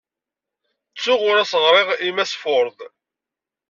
Ttuɣ ur as-ɣriɣ i Mass Ford.